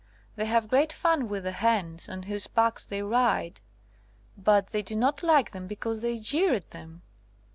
They have great fun with the hens, on whose backs they ride, but they do not like them because they * j eer ' at them.